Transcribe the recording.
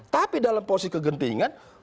tapi dalam posisi kegentingan